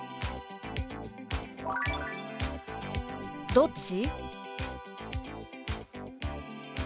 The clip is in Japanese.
「どっち？」。